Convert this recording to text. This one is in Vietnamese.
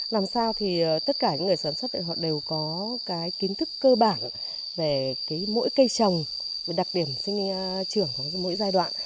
làm sao thì tất cả những người sản xuất họ đều có cái kiến thức cơ bản về mỗi cây trồng và đặc điểm sinh trưởng của mỗi giai đoạn